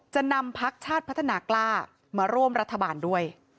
จะนำพักชาติพัฒนากล้ามาร่วมรัฐบาลด้วย